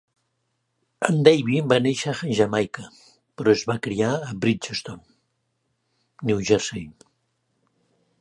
En Davy va néixer a Jamaica però es va criar a Bridgeton, New Jersey.